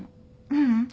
ううん。